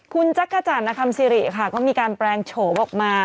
คุณจักรจาณคำซีรีย์ค่ะก็มีการแปลงโฉมออกมา